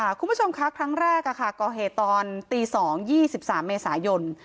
ค่ะคุณผู้ชมค่ะครั้งแรกอ่ะค่ะก่อเหตุตอนตีสองยี่สิบสามเมษายน